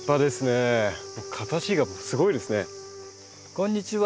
こんにちは。